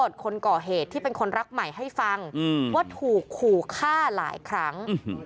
คนก่อเหตุที่เป็นคนรักใหม่ให้ฟังว่าถูกขู่ฆ่าหลายครั้ง